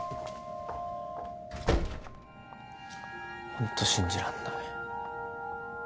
ホント信じらんない。